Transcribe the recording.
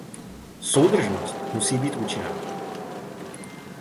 Soudržnost musí být účinná.